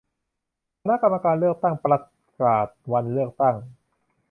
คณะกรรมการการเลือกตั้งประกาศวันเลือกตั้ง